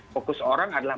fokus orang adalah